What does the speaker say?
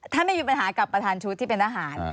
ถ้าไม่มีปัญหากับประธานชุดที่เป็นทหาร